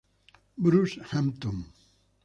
Bruce Hampton.